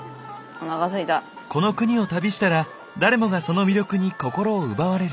この国を旅したら誰もがその魅力に心を奪われる。